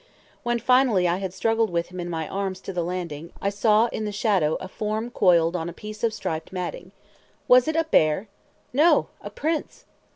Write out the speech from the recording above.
When finally I had struggled with him in my arms to the landing, I saw in the shadow a form coiled on a piece of striped matting. Was it a bear? No, a prince!